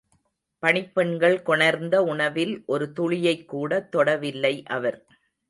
பணிப்பெண்கள் கொணர்ந்த உணவில் ஒரு துளியைக் கூட தொடவில்லை அவர்.